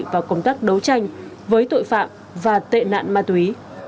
và công tác đấu tranh với tội phạm và tệ nạn ma túy